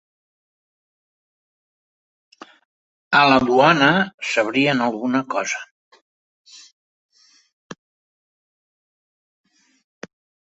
A la duana sabrien alguna cosa.